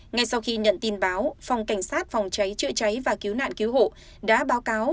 ngay sau khi nhận tin báo phòng cảnh sát phòng cháy chữa cháy và cứu nạn cứu hộ đã báo cáo